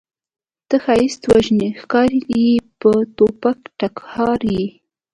ته ښایست وژنې ښکارې یې د توپکو ټکهار یې